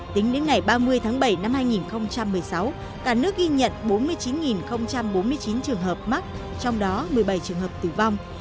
tính đến ngày ba mươi tháng bảy năm hai nghìn một mươi sáu cả nước ghi nhận bốn mươi chín bốn mươi chín trường hợp mắc trong đó một mươi bảy trường hợp tử vong